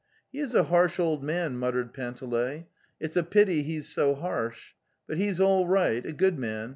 "He is a harsh old man, . muttered Pante ley. ''It'sapityheisso harsh! But he is all right, a good man.